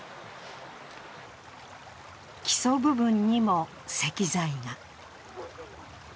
基礎部分にも石材が。